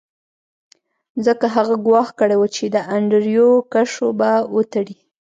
ځکه هغه ګواښ کړی و چې د انډریو کشو به وتړي